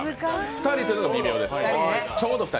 ２人というのは微妙です。